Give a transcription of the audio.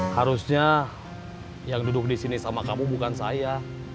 harusnya yang duduk disini sama kamu bukan saya